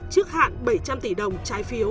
trước hạn bảy trăm linh tỷ đồng trái phiếu